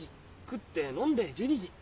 食って飲んで１２時。